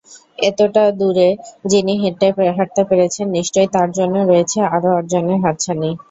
এতটা দূর যিনি হাঁটতে পেরেছেন, নিশ্চয় তার জন্য রয়েছে আরও অর্জনের হাতছানি।